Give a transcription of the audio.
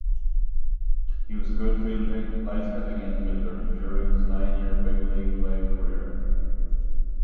He was a good-fielding, light-hitting infielder during his nine-year big league playing career.